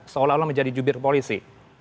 seolah olah menjadi jubir polisi